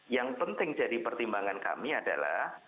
yang penting jadi pertimbangan kami adalah